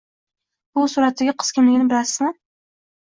Bu suratdagi qiz kimligini bilasizmi?